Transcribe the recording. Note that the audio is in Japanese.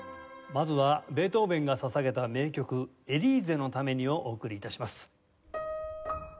まずはベートーヴェンが捧げた名曲『エリーゼのために』をお送り致します。